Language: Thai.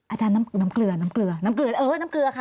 อาจารย์น้ำเกลือน้ำเกลือน้ำเกลือเออน้ำเกลือค่ะ